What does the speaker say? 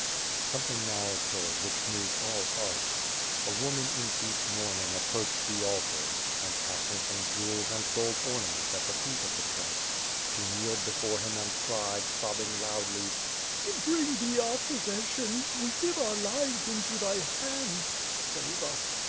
Something now occurred which moved all hearts. A woman in deep mourning approached the altar and, casting some jewels and gold ornaments at the feet of the prince, she 520 ^I'^B FIRE AND SWORD. kneeled before him and cried, sobbing loudly, "We bring thee our possessions! We give our lives into thy hands. Save us!